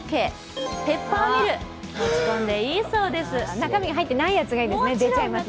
中身が入ってないやつがいいですね、出ちゃいますんでね。